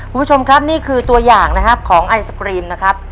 คุณผู้ชมครับนี่คือตัวอย่างนะครับของไอศกรีมนะครับ